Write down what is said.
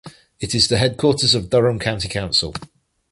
It is the headquarters of Durham County Council.